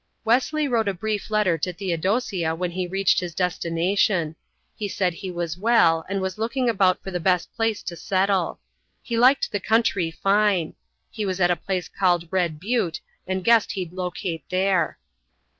Wesley wrote a brief letter to Theodosia when he reached his destination. He said he was well and was looking about for the best place to settle. He liked the country fine. He was at a place called Red Butte and guessed he'd locate there.